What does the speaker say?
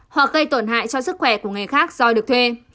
hoặc gây tổn hại cho sức khỏe của người khác do được thuê